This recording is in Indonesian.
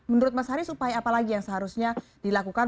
menurut mas haris upaya apa lagi yang seharusnya dilakukan